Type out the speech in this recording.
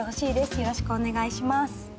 よろしくお願いします。